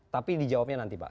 tapi dijawabnya nanti pak